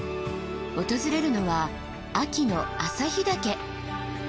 訪れるのは秋の朝日岳。